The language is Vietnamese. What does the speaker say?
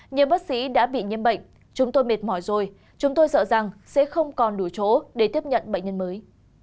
nhiều bác sĩ đã bị nhiễm bệnh chúng tôi mệt mỏi rồi chúng tôi sợ rằng sẽ không còn đủ chỗ để tiếp nhận bệnh nhân mới